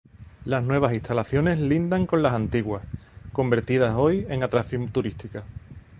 Las nuevas instalaciones lindan con las antiguas, convertidas hoy en atracción turística.